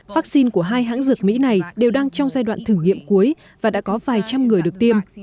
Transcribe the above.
vaccine của hai hãng dược mỹ này đều đang trong giai đoạn thử nghiệm cuối và đã có vài trăm người được tiêm